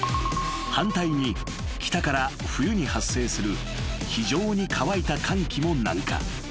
［反対に北から冬に発生する非常に乾いた寒気も南下］